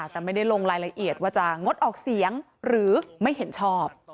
แต่ไม่ได้ลงรายละเอียดว่าจะงดออกเสียงหรือไม่เห็นชอบ